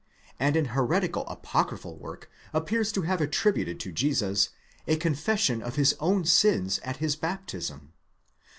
* and an heretical apocryphal work appears to have attributed to Jesus a confession of his own sins at his baptism.